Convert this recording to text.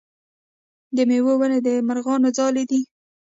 د میوو ونې د مرغانو ځالې دي.